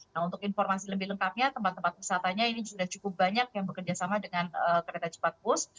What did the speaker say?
nah untuk informasi lebih lengkapnya tempat tempat wisatanya ini sudah cukup banyak yang bekerja sama dengan kereta cepat bus